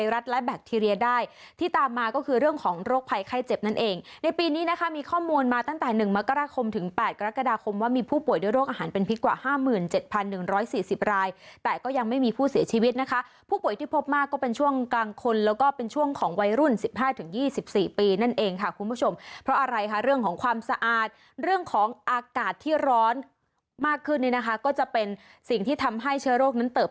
เรื่องของโรคภัยไข้เจ็บนั่นเองในปีนี้นะคะมีข้อมูลมาตั้งแต่๑มกราคมถึง๘กรกฎาคมว่ามีผู้ป่วยด้วยโรคอาหารเป็นพิกว่า๕๗๑๔๐รายแต่ก็ยังไม่มีผู้เสียชีวิตนะคะผู้ป่วยที่พบมากก็เป็นช่วงกลางคนแล้วก็เป็นช่วงของวัยรุ่น๑๕ถึง๒๔ปีนั่นเองค่ะคุณผู้ชมเพราะอะไรคะเรื่องของความสะอาดเรื่องของอากาศที่ร